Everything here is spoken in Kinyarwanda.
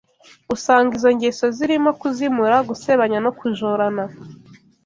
Usanga izo ngeso zirimo kuzimura, gusebanya no kujorana